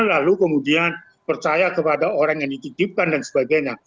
lalu kemudian percaya kepada orang yang dititipkan dan sebagainya